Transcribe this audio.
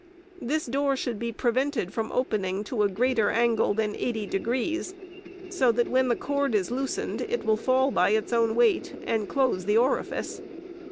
This door should be prevented from ON SCHOOLHOUSES. 445 opening to a greater angle than eighty degrees, so that when the cord is loosened it will fall by its own weight, and dose the orifice.